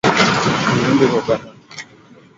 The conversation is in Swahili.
Kuvimba kwa bandama